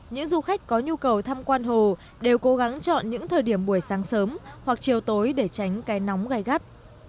những du khách có nhu cầu tham quan hồ đều cố gắng chọn những thời điểm buổi sáng sớm hoặc chiều tối để tránh cái nóng gai gắt